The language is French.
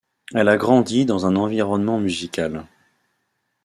Elle a grandi dans un environnement musical.